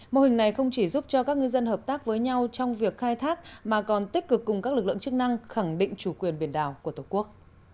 mô hình này không chỉ giúp cho các ngư dân hợp tác với nhau trong việc khai thác mà còn tích cực cùng các lực lượng chức năng khẳng định chủ quyền biển đảo của tổ quốc